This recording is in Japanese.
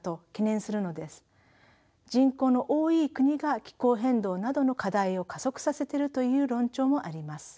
人口の多い国が気候変動などの課題を加速させているという論調もあります。